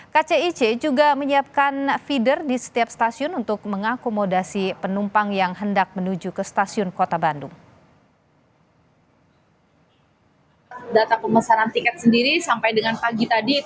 kcic juga menyiapkan feeder di setiap stasiun untuk mengakomodasi penumpang yang hendak menuju ke stasiun kota bandung